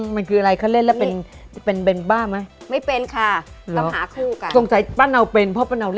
ว่าชุดอย่างนี้เขาต้องมาเล่นซาบ้า